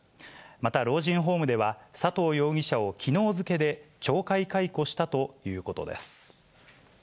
また、老人ホームでは、佐藤容疑者をきのう付けで懲戒解雇したということです。